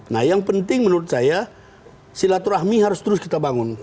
nah yang penting menurut saya silaturahmi harus terus kita bangun